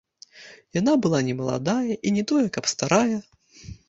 Яна была не маладая і не тое каб старая.